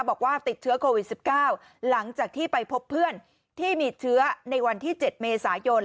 บอกว่าติดเชื้อโควิด๑๙หลังจากที่ไปพบเพื่อนที่มีเชื้อในวันที่๗เมษายน